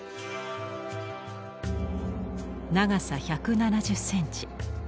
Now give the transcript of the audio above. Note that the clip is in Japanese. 長さ１７０センチ。